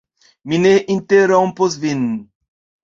Mi ne interrompos vin.